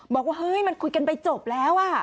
บอกว่าเฮ้ยมันคุยกันไปจบแล้ว